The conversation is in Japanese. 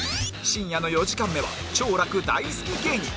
深夜の４時間目は兆楽大好き芸人